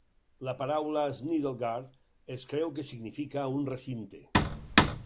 La paraula Snittlegarth es creu que significa un recinte.